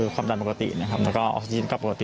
ความดังปกติแล้วก็ออกซินปกติ